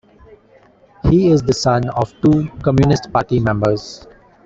He is the son of two Communist Party members.